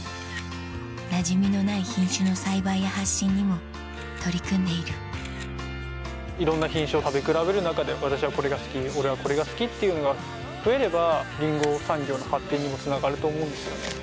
なじみのない品種の栽培や発信にも取り組んでいるいろんな品種を食べ比べる中で「私はこれが好き」「俺はこれが好き」っていうのが増えればりんご産業の発展にもつながると思うんですよね。